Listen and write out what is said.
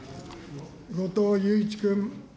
後藤祐一君。